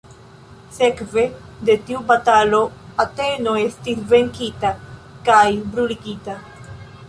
Sekve de tiu batalo, Ateno estis venkita kaj bruligita.